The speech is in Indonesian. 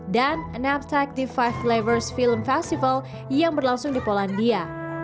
dan naptek the five flavors film festival yang berlangsung di polandia